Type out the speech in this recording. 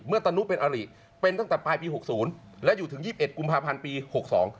เมื่อตะนุเป็นอาริเป็นตั้งแต่ปลายภีร์หกศูนย์หรืออยู่ถึง๒๑กุมภาพรรณปีหกสอง